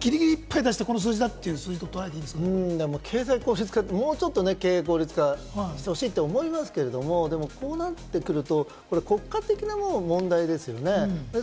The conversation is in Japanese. ギリギリいっぱいで、この数字ともうちょっと経営、効率化してほしいと思いますけれども、こうなってくると国家的な問題ですよね。